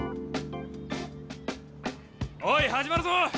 おい始まるぞ！